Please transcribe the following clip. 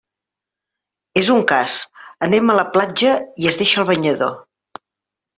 És un cas, anem a la platja i es deixa el banyador.